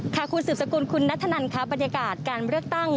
ค่ะคุณสืบสกุลคุณนัทธนันค่ะบรรยากาศการเลือกตั้ง